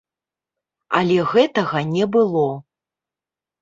Але гэтага не было.